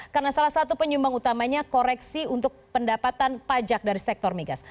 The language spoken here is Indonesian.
karena salah satu penyumbang utamanya koreksi untuk pendapatan pajak dari sektor migas